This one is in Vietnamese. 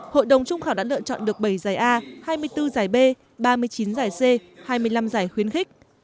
hội đồng trung khảo đã lựa chọn được bảy giải a hai mươi bốn giải b ba mươi chín giải c hai mươi năm giải khuyến khích